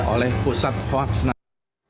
oleh pusat hoaks nasional